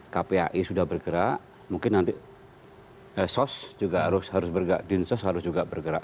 kpai sudah bergerak mungkin nanti sos juga harus bergerak din sos juga harus bergerak